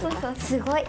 すごい。